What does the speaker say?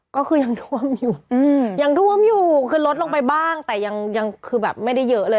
ก็คือยังท่วมอยู่คือลดลงไปบ้างแต่ยังคือแบบไม่ได้เยอะเลย